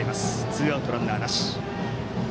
ツーアウト、ランナーなし。